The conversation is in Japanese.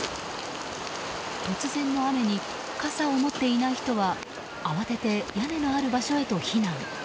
突然の雨に傘を持っていない人は慌てて屋根のある場所へと避難。